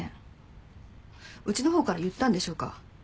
うちのほうから言ったんでしょうか？